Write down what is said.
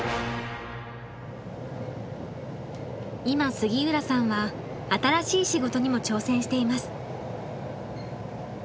今杉浦さんは新しい仕事にも挑戦しています。